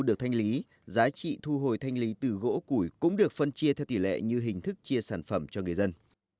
được thanh lý giá trị thu hồi thanh lý từ gỗ củi cũng được phân chia theo tỷ lệ như hình thức chia sản phẩm cho người dân